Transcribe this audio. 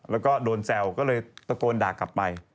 แล้วก็โดนแซวก็เลยตะโกนด่ากลับไป